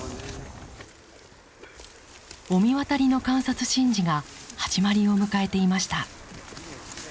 御神渡りの観察神事が始まりを迎えていました。